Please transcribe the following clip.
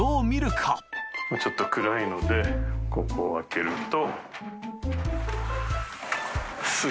ちょっと暗いのでここを開けると。